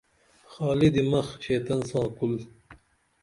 خالی دِمخ شیطن ساں کُل